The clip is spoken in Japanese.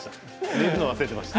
寝るのを忘れていました。